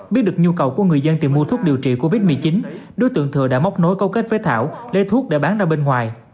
biết được nhu cầu của người dân tìm mua thuốc điều trị covid một mươi chín đối tượng thừa đã móc nối câu kết với thảo lấy thuốc để bán ra bên ngoài